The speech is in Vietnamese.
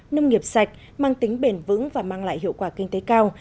nông nghiệp sạch mang tính bền vững và mang lại hiệu quả kinh tế cao